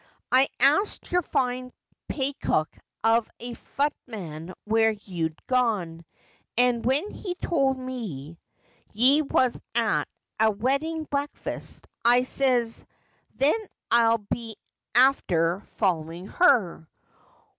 I asked your fine paycock of a futman where ye'd gone, and when he tould me ye was at a wed din' breakfast, I ses, then I'll be afther followin' her.